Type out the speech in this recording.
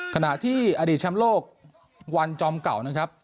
ขณะที่อดีตแชมป์โลกวันจอมเก่านะครับ